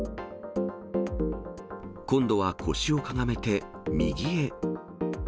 今度は腰をかがめて、右へ。